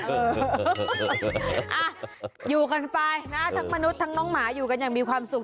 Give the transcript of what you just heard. อยู่กันไปนะทั้งมนุษย์ทั้งน้องหมาอยู่กันอย่างมีความสุข